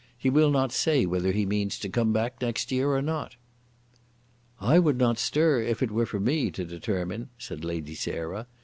He will not say whether he means to come back next year or not." "I would not stir, if it were for me to determine," said Lady Sarah.